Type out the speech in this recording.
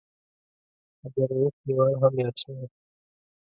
عبدالرووف لیوال هم یاد شوی.